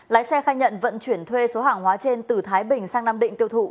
lái xe khai nhận vận chuyển thuê số hàng hóa trên từ thái bình sang nam định tiêu thụ